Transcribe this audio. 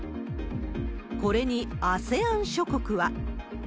これにＡＳＥＡＮ諸国は。